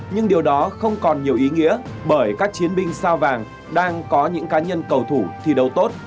nhưng điều đó không còn nhiều ý nghĩa bởi các chiến binh sao vàng đang có những cá nhân cầu thủ thi đấu tốt